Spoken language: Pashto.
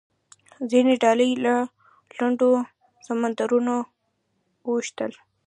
ځینې ډلې له لنډو سمندرونو اوښتل.